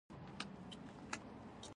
خولۍ د ملي شخصیت یو سمبول دی.